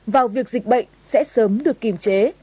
vào việc dịch bệnh sẽ sớm được kiềm chế